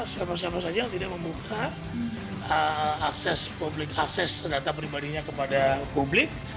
siapa siapa saja yang tidak membuka akses publik akses data pribadinya kepada publik